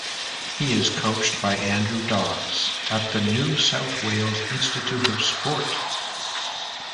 He is coached by Andrew Dawes at the New South Wales Institute of Sport.